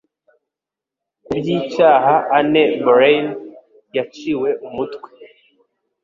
Kubyicyaha Anne Boleyn yaciwe umutwe